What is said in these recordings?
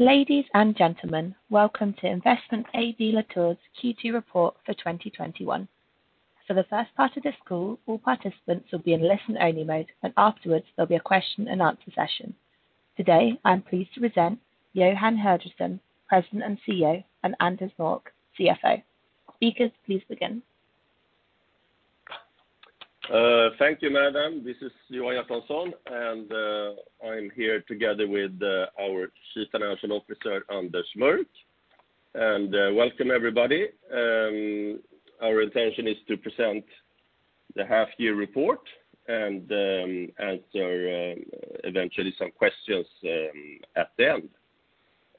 Ladies and gentlemen, welcome to Investment AB Latour's Q2 report for 2021. For the first part of this call, all participants will be in listen-only mode. Afterwards, there'll be a question and answer session. Today, I'm pleased to present Johan Hjertonsson, President and CEO, and Anders Mörck, CFO. Speakers, please begin. Thank you, madam. This is Johan Hjertonsson, and I'm here together with our Chief Financial Officer, Anders Mörck. Welcome everybody. Our intention is to present the half-year report and answer eventually some questions at the end.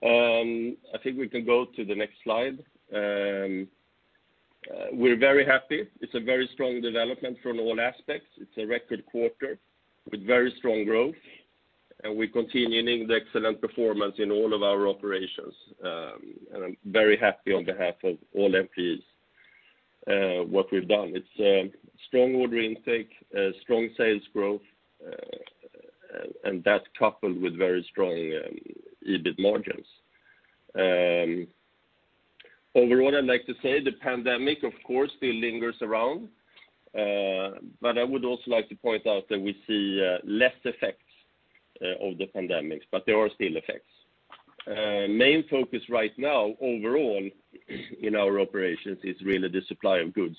I think we can go to the next slide. We're very happy. It's a very strong development from all aspects. It's a record quarter with very strong growth, and we're continuing the excellent performance in all of our operations. I'm very happy on behalf of all employees what we've done. It's strong order intake, strong sales growth, and that coupled with very strong EBIT margins. Overall, I'd like to say the pandemic, of course, still lingers around, but I would also like to point out that we see less effects of the pandemic, but there are still effects. Main focus right now overall in our operations is really the supply of goods.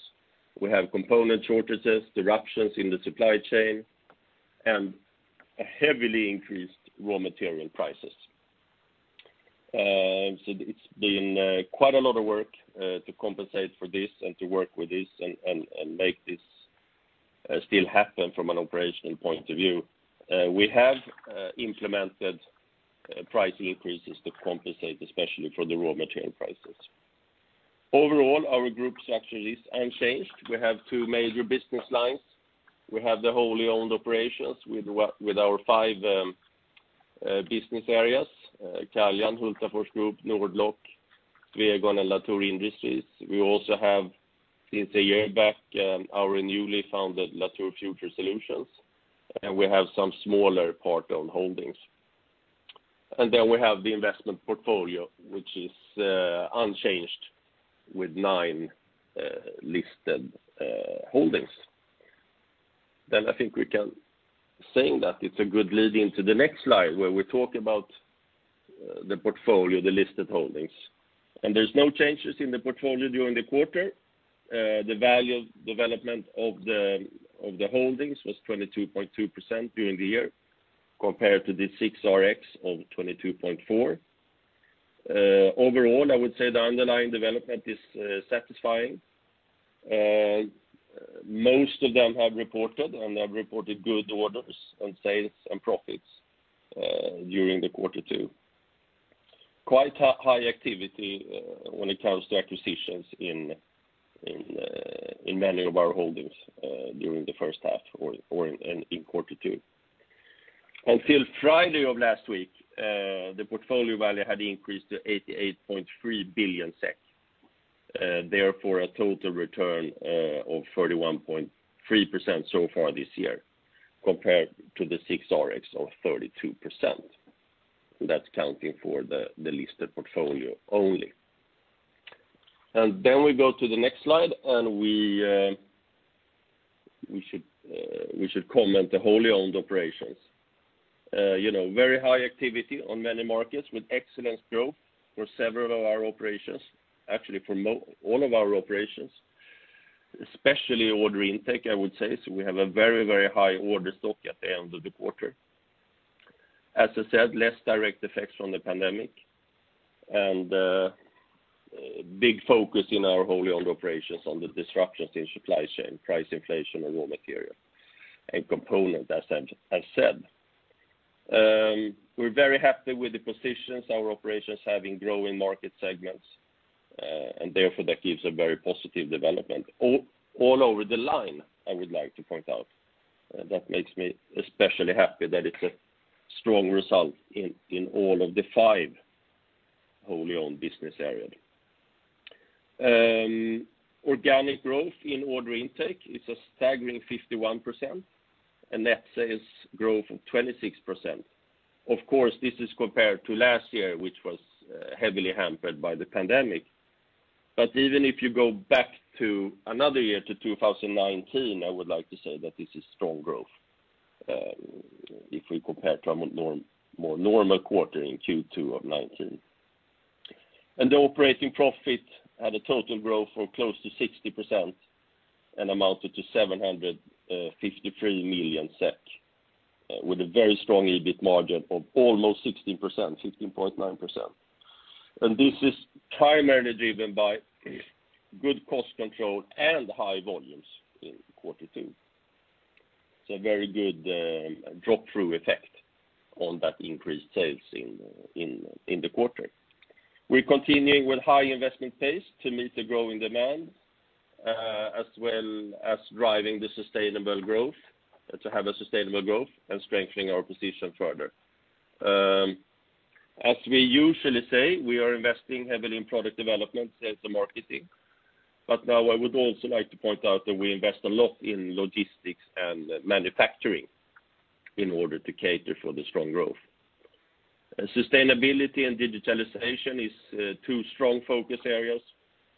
We have component shortages, disruptions in the supply chain, and heavily increased raw material prices. It's been quite a lot of work to compensate for this and to work with this and make this still happen from an operational point of view. We have implemented price increases to compensate, especially for the raw material prices. Overall, our group structure is unchanged. We have two major business lines. We have the wholly owned operations with our five business areas, Caljan, Hultafors Group, Nord-Lock, Swegon, and Latour Industries. We also have, since a year back, our newly founded Latour Future Solutions, and we have some smaller part-owned holdings. We have the investment portfolio, which is unchanged with nine listed holdings. I think we can say that it's a good lead-in to the next slide, where we talk about the portfolio, the listed holdings. There's no changes in the portfolio during the quarter. The value development of the holdings was 22.2% during the year compared to the SIXRX of 22.4%. Overall, I would say the underlying development is satisfying. Most of them have reported and have reported good orders and sales and profits during the quarter two. Quite high activity when it comes to acquisitions in many of our holdings during the first half or in quarter two. Until Friday of last week, the portfolio value had increased to 88.3 billion SEK, therefore a total return of 31.3% so far this year compared to the SIXRX of 32%. That's counting for the listed portfolio only. We go to the next slide and we should comment the wholly owned operations. Very high activity on many markets with excellent growth for several of our operations, actually for all of our operations, especially order intake, I would say. We have a very high order stock at the end of the quarter. As I said, less direct effects from the pandemic and a big focus in our wholly owned operations on the disruptions in supply chain, price inflation of raw material and component, as said. We're very happy with the positions our operations have in growing market segments, and therefore that gives a very positive development all over the line, I would like to point out. That makes me especially happy that it's a strong result in all of the five wholly owned business areas. Organic growth in order intake is a staggering 51%, and that is growth of 26%. Of course, this is compared to last year, which was heavily hampered by the pandemic. Even if you go back to another year, to 2019, I would like to say that this is strong growth, if we compare to a more normal quarter in Q2 of 2019. The operating profit had a total growth of close to 60% and amounted to 753 million SEK with a very strong EBIT margin of almost 16%, 15.9%. This is primarily driven by good cost control and high volumes in quarter two. A very good drop-through effect on that increased sales in the quarter. We're continuing with high investment pace to meet the growing demand, as well as driving the sustainable growth, to have a sustainable growth and strengthening our position further. As we usually say, we are investing heavily in product development, sales, and marketing. Now I would also like to point out that we invest a lot in logistics and manufacturing in order to cater for the strong growth. Sustainability and digitalization is two strong focus areas.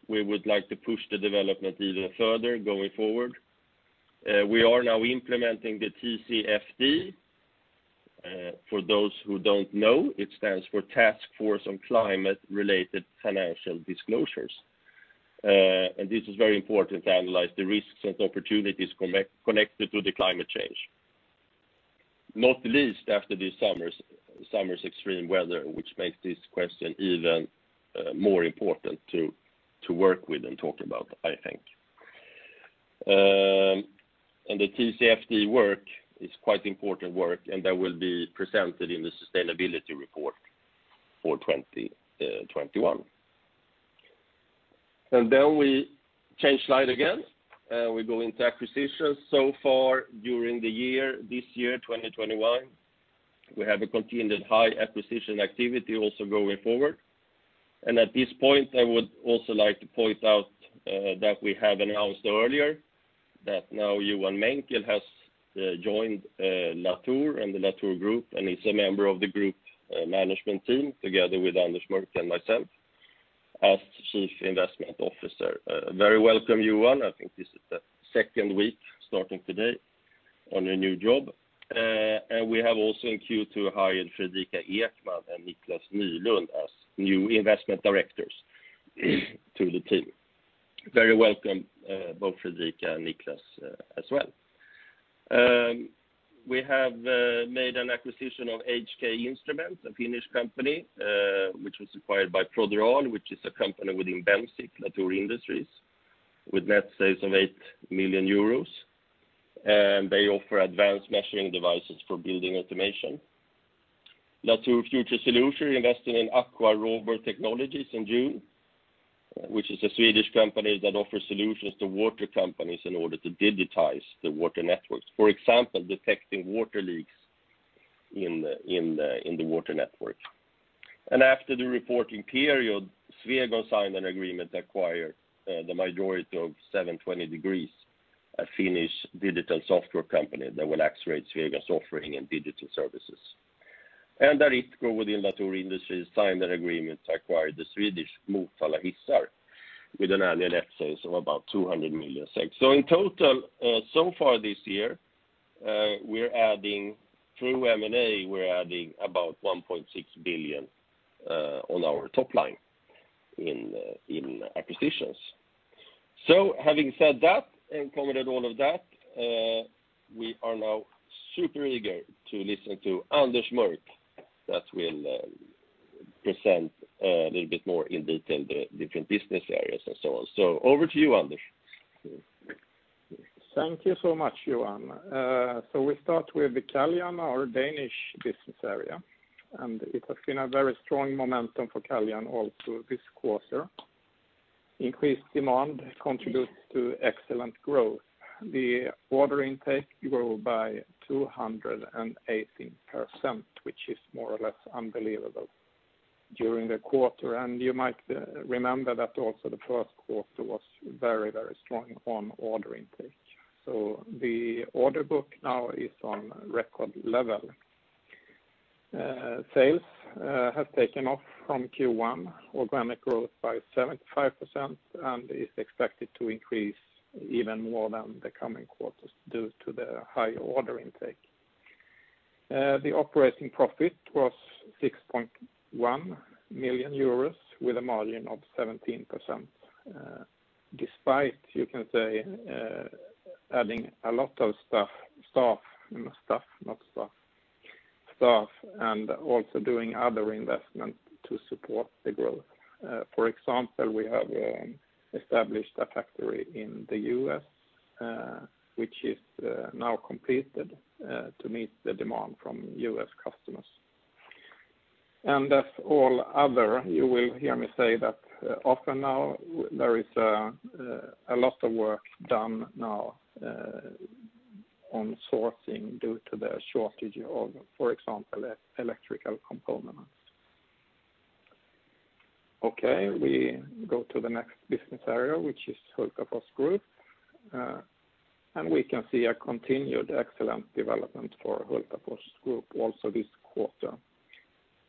We would like to push the development even further going forward. We are now implementing the TCFD. For those who don't know, it stands for Task Force on Climate-related Financial Disclosures. This is very important to analyze the risks and opportunities connected to the climate change, not least after this summer's extreme weather, which makes this question even more important to work with and talk about, I think. The TCFD work is quite important work, and that will be presented in the sustainability report for 2021. We change slide again, we go into acquisitions. Far during this year, 2021, we have a continued high acquisition activity also going forward. At this point, I would also like to point out that we have announced earlier that now Johan Menckel has joined Latour and the Latour Group, and is a member of the group management team together with Anders Mörck and myself as Chief Investment Officer. Very welcome, Johan. I think this is the second week starting today on your new job. We have also in queue to hire Fredrika Ekman and Niclas Nylund as new investment directors to the team. Very welcome, both Fredrika and Niclas as well. We have made an acquisition of HK Instruments, a Finnish company, which was acquired by Produal, which is a company within Bemsiq Latour Industries, with net sales of 8 million euros. They offer advanced measuring devices for building automation. Latour Future Solutions invested in Aqua Robur Technologies in June, which is a Swedish company that offers solutions to water companies in order to digitize the water networks. For example, detecting water leaks in the water network. After the reporting period, Swegon signed an agreement to acquire the majority of 720 Degrees, a Finnish digital software company that will accelerate Swegon's offering in digital services. Aritco within Latour Industries signed an agreement to acquire the Swedish Motala Hissar with an annual net sales of about 200 million. In total, so far this year through M&A, we're adding about 1.6 billion on our top line in acquisitions. Having said that and commented all of that, we are now super eager to listen to Anders Mörck that will present a little bit more in detail the different business areas and so on. Over to you, Anders. Thank you so much, Johan. We start with the Caljan, our Danish business area. It has been a very strong momentum for Caljan also this quarter. Increased demand contributes to excellent growth. The order intake grew by 218%, which is more or less unbelievable during the quarter. You might remember that also the first quarter was very strong on order intake. The order book now is on record level. Sales have taken off from Q1, organic growth by 75% and is expected to increase even more than the coming quarters due to the high order intake. The operating profit was 6.1 million euros with a margin of 17%. Despite, you can say, adding a lot of staff and also doing other investments to support the growth. For example, we have established a factory in the U.S. which is now completed to meet the demand from U.S. customers. As all other, you will hear me say that often now there is a lot of work done now on sourcing due to the shortage of, for example, electrical components. Okay, we go to the next business area, which is Hultafors Group. We can see a continued excellent development for Hultafors Group also this quarter.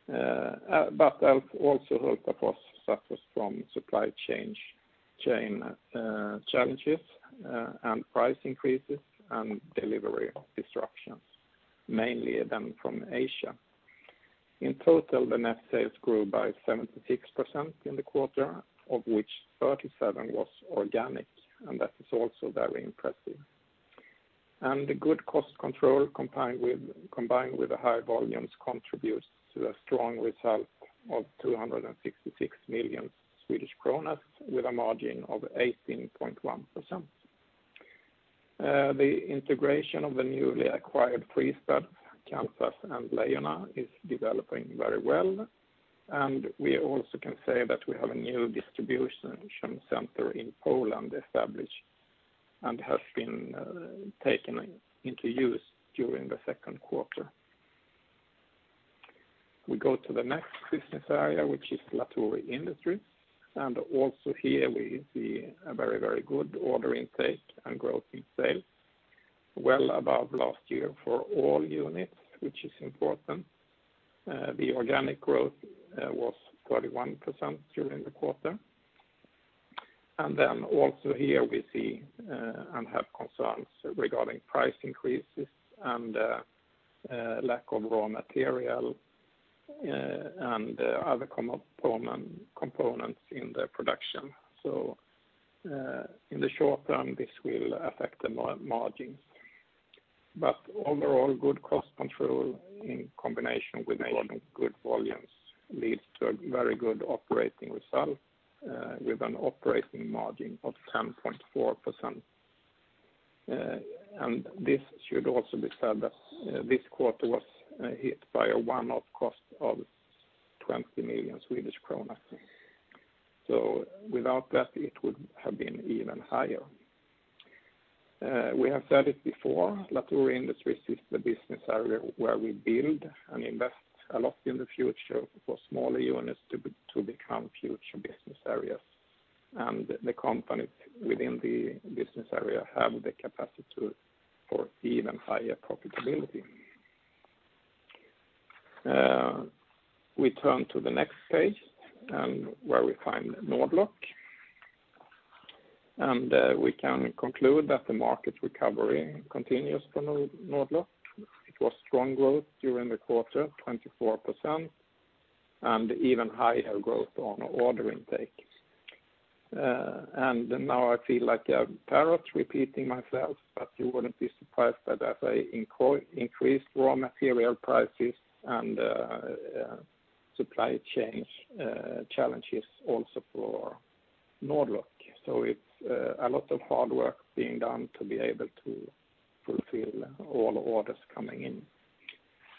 Also Hultafors suffers from supply chain challenges and price increases and delivery disruptions, mainly than from Asia. In total, the net sales grew by 76% in the quarter, of which 37% was organic, and that is also very impressive. The good cost control combined with the high volumes contributes to a strong result of 266 million Swedish kronor with a margin of 18.1%. The integration of the newly acquired Fristads, Kansas, and Leijona is developing very well, and we also can say that we have a new distribution center in Poland established and has been taken into use during the second quarter. We go to the next business area, which is Latour Industries. Also here we see a very, very good order intake and growth in sales. Well above last year for all units, which is important. The organic growth was 31% during the quarter. Then also here we see and have concerns regarding price increases and lack of raw material and other components in the production. In the short term, this will affect the margins. Overall good cost control in combination with good volumes leads to a very good operating result, with an operating margin of 10.4%. This should also be said that this quarter was hit by a one-off cost of 20 million Swedish kronor. Without that, it would have been even higher. We have said it before, Latour Industries is the business area where we build and invest a lot in the future for smaller units to become future business areas. The companies within the business area have the capacity for even higher profitability. We turn to the next page and where we find Nord-Lock. We can conclude that the market recovery continues for Nord-Lock. It was strong growth during the quarter, 24%, and even higher growth on order intake. Now I feel like a parrot repeating myself, but you wouldn't be surprised that as increased raw material prices and supply chain challenges also for Nord-Lock. It's a lot of hard work being done to be able to fulfill all orders coming in.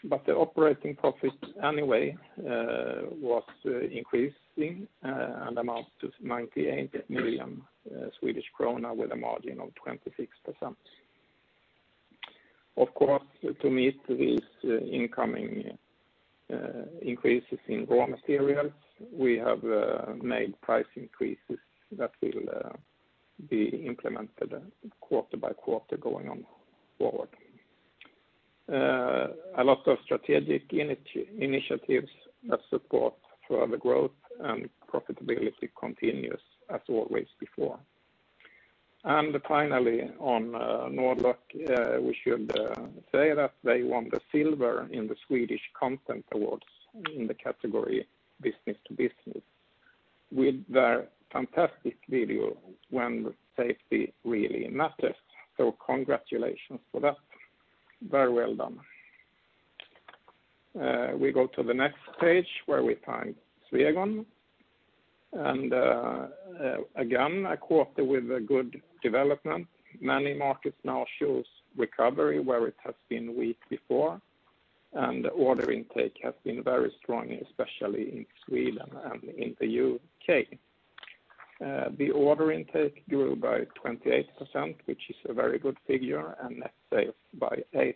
The operating profit anyway was increasing and amounts to 98 million Swedish krona with a margin of 26%. Of course, to meet these incoming increases in raw materials, we have made price increases that will be implemented quarter by quarter going on forward. A lot of strategic initiatives that support further growth and profitability continues as always before. Finally on Nord-Lock, we should say that they won the silver in the Swedish Content Awards in the category business to business with their fantastic video, When Safety Really Matters. Congratulations for that. Very well done. We go to the next page where we find Swegon. Again, a quarter with a good development. Many markets now shows recovery where it has been weak before, and order intake has been very strong, especially in Sweden and in the U.K. The order intake grew by 28%, which is a very good figure, and net sales by 8%.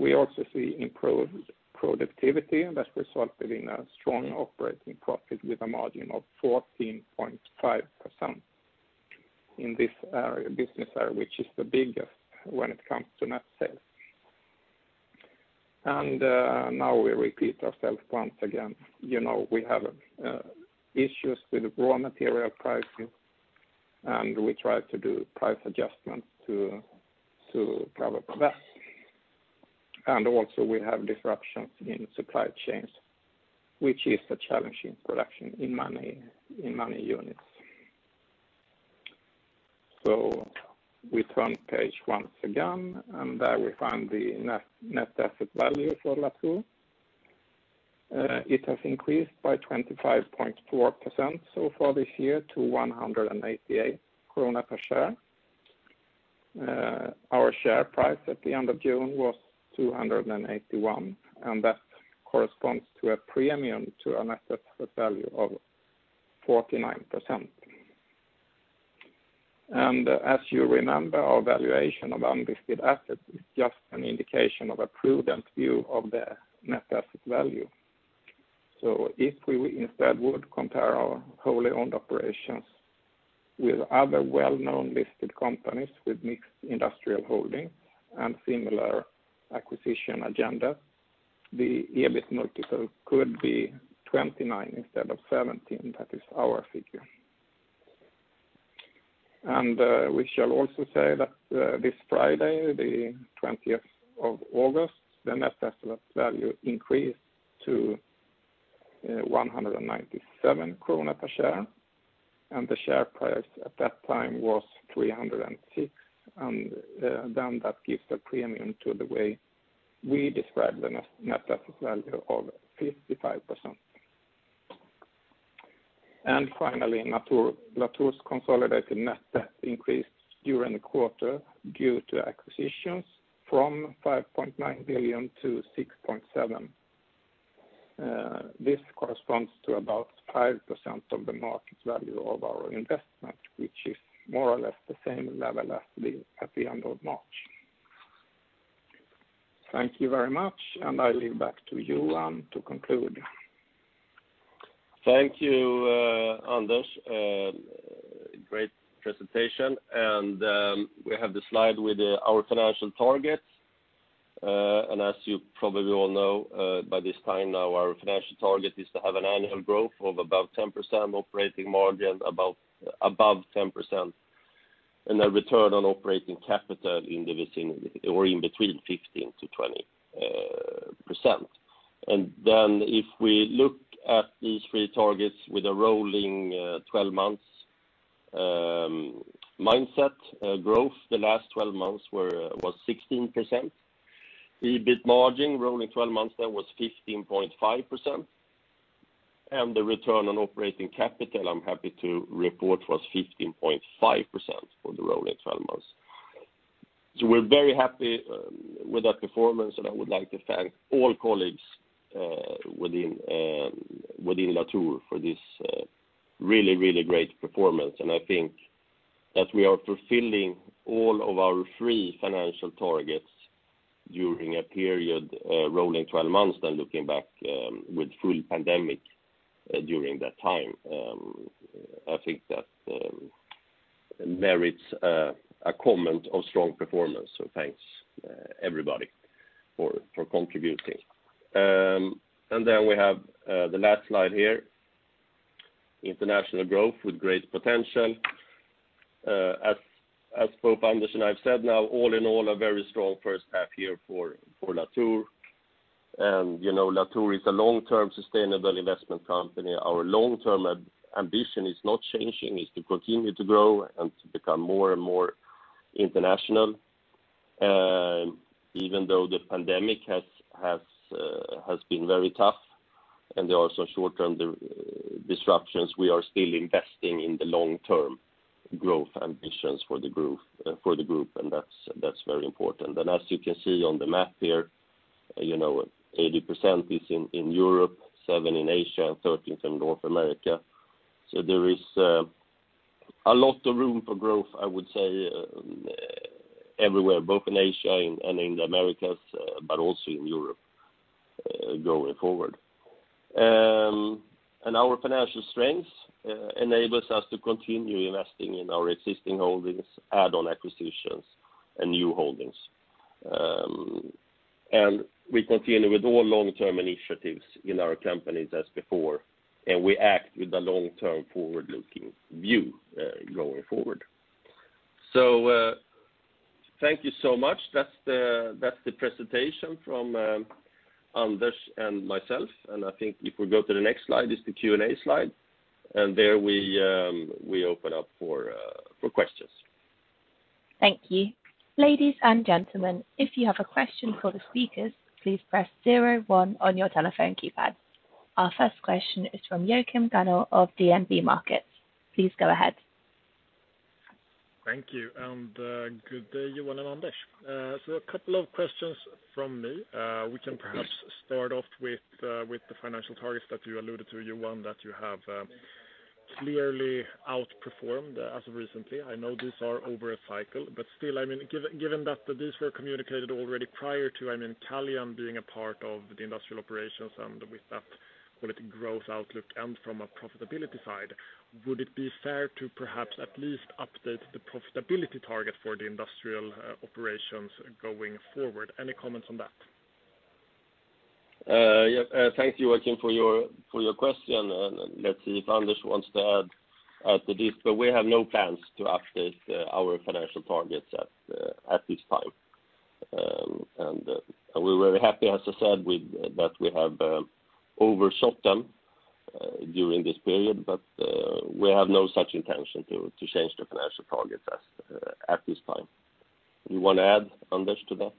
We also see improved productivity that resulted in a strong operating profit with a margin of 14.5% in this business area, which is the biggest when it comes to net sales. Now we repeat ourselves once again. We have issues with raw material pricing, and we try to do price adjustments to cover that. Also we have disruptions in supply chains, which is a challenge in production in many units. We turn page once again, and there we find the net asset value for Latour. It has increased by 25.4% so far this year to 188 krona per share. Our share price at the end of June was 281, that corresponds to a premium to a net asset value of 49%. As you remember, our valuation of unlisted assets is just an indication of a prudent view of the net asset value. If we instead would compare our wholly owned operations with other well-known listed companies with mixed industrial holdings and similar acquisition agenda, the EBIT multiple could be [29%] instead of [17%]. That is our figure. We shall also say that this Friday, the 20th of August, the net asset value increased to 197 krona per share, the share price at that time was 306. That gives a premium to the way we describe the net asset value of 55%. Finally, Latour's consolidated net debt increased during the quarter due to acquisitions from 5.9 billion-6.7 billion. This corresponds to about 5% of the market value of our investment, which is more or less the same level as at the end of March. Thank you very much, and I leave back to you, Johan, to conclude. Thank you, Anders. Great presentation. We have the slide with our financial targets. As you probably all know by this time now, our financial target is to have an annual growth of about 10% operating margin, above 10%, and a return on operating capital in between 15%-20%. If we look at these three targets with a rolling 12 months mindset growth, the last 12 months was 16%. EBIT margin rolling 12 months, that was 15.5%. The return on operating capital, I'm happy to report, was 15.5% for the rolling 12 months. We're very happy with that performance, and I would like to thank all colleagues within Latour for this really great performance. I think that we are fulfilling all of our three financial targets during a period rolling 12 months than looking back with full pandemic during that time. I think that merits a comment of strong performance. Thanks, everybody, for contributing. We have the last slide here. International growth with great potential. As both Anders and I have said now, all in all, a very strong first half year for Latour. Latour is a long-term sustainable investment company. Our long-term ambition is not changing. It's to continue to grow and to become more and more international. Even though the pandemic has been very tough and there are some short-term disruptions, we are still investing in the long-term growth ambitions for the group, and that's very important. As you can see on the map here, 80% is in Europe, 7% in Asia, and 13% in North America. There is a lot of room for growth, I would say, everywhere, both in Asia and in the Americas, but also in Europe going forward. Our financial strength enables us to continue investing in our existing holdings, add-on acquisitions and new holdings. We continue with all long-term initiatives in our companies as before, and we act with a long-term forward-looking view going forward. Thank you so much. That's the presentation from Anders and myself. I think if we go to the next slide, it's the Q&A slide, and there we open up for questions. Thank you. Ladies and gentlemen, if you have a question for the speakers, please press zero one on your telephone keypad. Our first question is from [Joachim Gunell] of DNB Markets. Please go ahead. Thank you, good day, Johan and Anders. A couple of questions from me. We can perhaps start off with the financial targets that you alluded to, Johan, that you have clearly outperformed as of recently. I know these are over a cycle, but still, given that these were communicated already prior to [Caljan] being a part of the industrial operations and with that quality growth outlook and from a profitability side, would it be fair to perhaps at least update the profitability target for the industrial operations going forward? Any comments on that? Thank you, [Joachim], for your question. Let's see if Anders wants to add to this, but we have no plans to update our financial targets at this time. We're very happy, as I said, that we have overshot them during this period, but we have no such intention to change the financial targets at this time. You want to add, Anders, to that?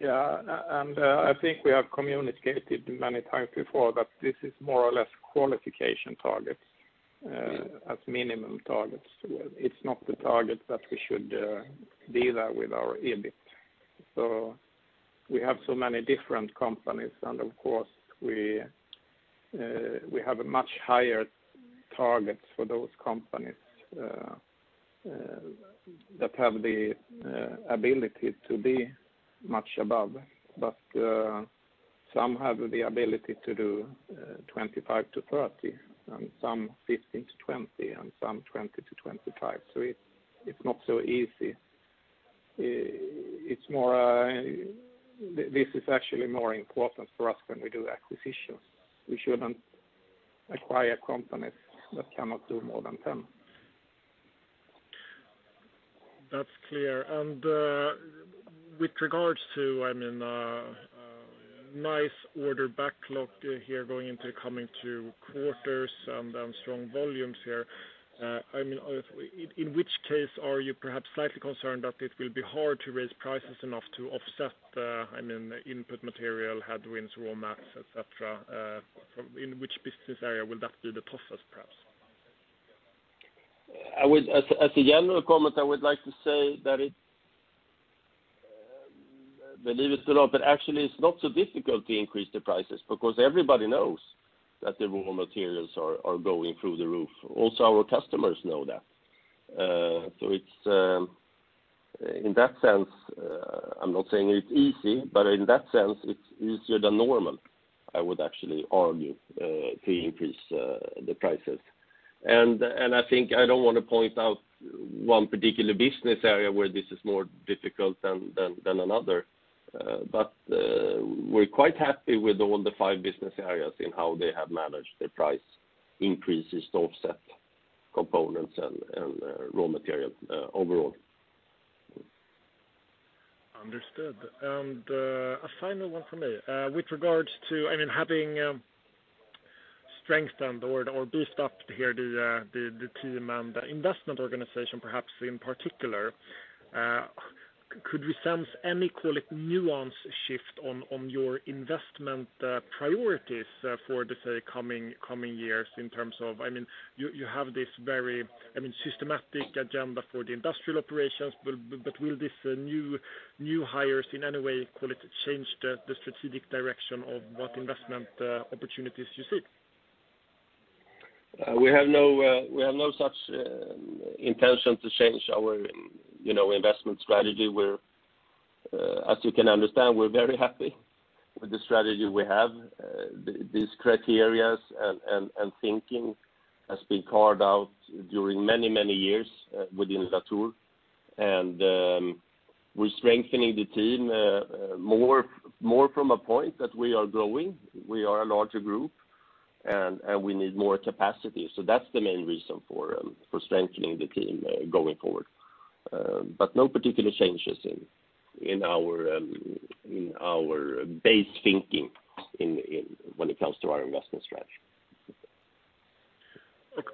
Yeah. I think we have communicated many times before that this is more or less qualification targets as minimum targets. It's not the target that we should deliver with our EBIT. We have so many different companies, and of course, we have a much higher target for those companies that have the ability to be much above. Some have the ability to do 25%-30%, and some 15%-20%, and some 20%-25%. It's not so easy. This is actually more important for us when we do acquisitions. We shouldn't acquire companies that cannot do more than 10%. That's clear. With regards to nice order backlog here going into coming two quarters and strong volumes here, in which case are you perhaps slightly concerned that it will be hard to raise prices enough to offset input material headwinds, raw mats, et cetera? In which business area will that be the toughest, perhaps? As a general comment, I would like to say that, believe it or not, but actually it's not so difficult to increase the prices because everybody knows that the raw materials are going through the roof. Our customers know that. I'm not saying it's easy, but in that sense, it's easier than normal, I would actually argue, to increase the prices. I don't want to point out one particular business area where this is more difficult than another. We're quite happy with all the five business areas in how they have managed their price increases to offset components and raw materials overall. Understood. A final one from me. With regards to having strengthened or boost up here the team and the investment organization perhaps in particular, could we sense any nuance shift on your investment priorities for the coming years? You have this very systematic agenda for the industrial operations, will these new hires in any way change the strategic direction of what investment opportunities you see? We have no such intention to change our investment strategy. As you can understand, we're very happy with the strategy we have. These criteria and thinking has been carved out during many years within Latour, and we're strengthening the team more from a point that we are growing. We are a larger group, and we need more capacity. That's the main reason for strengthening the team going forward. No particular changes in our base thinking when it comes to our investment strategy.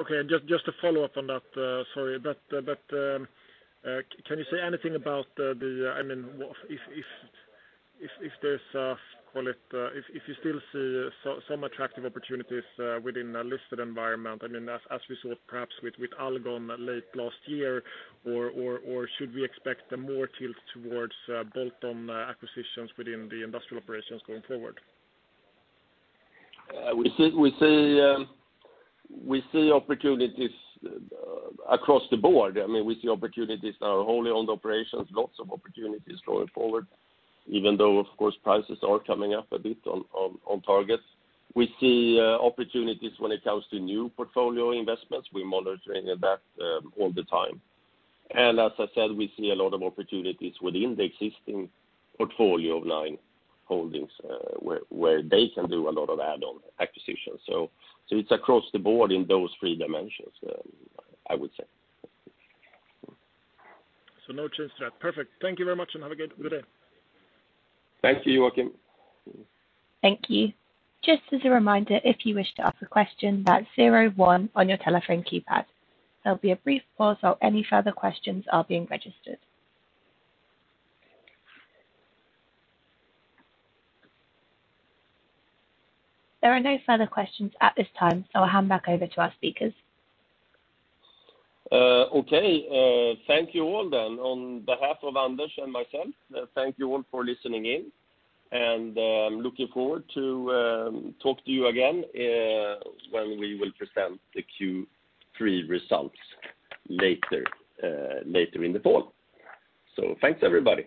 Okay. Just a follow-up on that, sorry. Can you say anything about if you still see some attractive opportunities within a listed environment, as we saw perhaps with [Allgon] late last year, or should we expect a more tilt towards bolt-on acquisitions within the industrial operations going forward? We see opportunities across the board. We see opportunities in our wholly owned operations, lots of opportunities going forward, even though, of course, prices are coming up a bit on targets. We see opportunities when it comes to new portfolio investments. We're monitoring that all the time. As I said, we see a lot of opportunities within the existing portfolio of nine holdings, where they can do a lot of add-on acquisitions. It's across the board in those three dimensions, I would say. No change to that. Perfect. Thank you very much, and have a good day. Thank you, [Joachim]. Thank you. Just as a reminder, if you wish to ask a question, that's zero one on your telephone keypad. There'll be a brief pause while any further questions are being registered. There are no further questions at this time, I'll hand back over to our speakers. Okay. Thank you all then. On behalf of Anders Mörck and myself, thank you all for listening in, and looking forward to talk to you again when we will present the Q3 results later in the fall. Thanks, everybody.